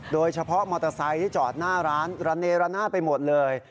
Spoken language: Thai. โดยเฉพาะมอเตอร์ไซค์ที่จอดหน้าร้านระเนระนาดไปหมดเลย